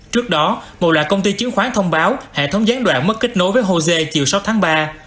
trước đó một loại công ty chứng khoán thông báo hệ thống gián đoạn mất kết nối với jose chiều sáu tháng ba